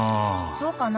そうかな？